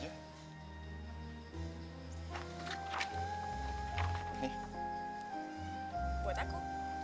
nih buat aku